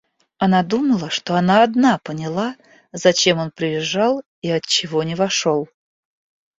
Она думала, что она одна поняла, зачем он приезжал и отчего не вошел.